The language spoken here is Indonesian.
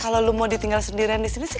kalau lo mau ditinggal sendirian di sini sih